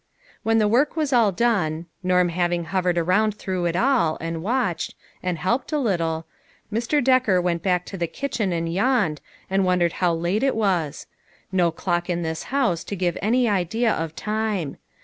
When the work was all done, Norm having hovered around through it all, and watched, and helped a little, . Mr.. Decker .went .back to the LONG STOBTES TO TELL. 139 kitchen and yawned, and wondered how late it was. No clock in this house to give any idea of time.